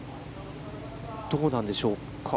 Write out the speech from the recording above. どうなんでしょうか。